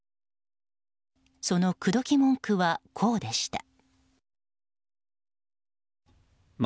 その口説き文句は、こうでした。